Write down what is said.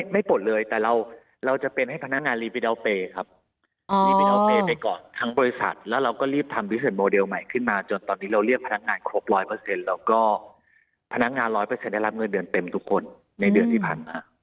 ปลดเลยแต่เราจะเป็นให้พนักงานรีวิเดอลเปย์ครับรีวิเอาเปย์ไปก่อนทั้งบริษัทแล้วเราก็รีบทำพิเศษโมเดลใหม่ขึ้นมาจนตอนนี้เราเรียกพนักงานครบร้อยเปอร์เซ็นต์แล้วก็พนักงาน๑๐๐ได้รับเงินเดือนเต็มทุกคนในเดือนที่ผ่านมา